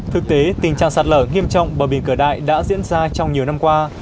thực tế tình trạng sạt lở nghiêm trọng bờ biển cửa đại đã diễn ra trong nhiều năm qua